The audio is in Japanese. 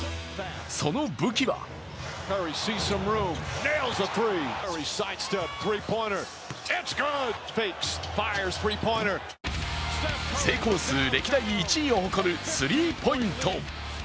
その武器は成功数歴代１位を誇るスリーポイント。